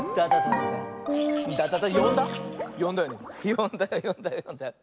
よんだよよんだよよんだよ。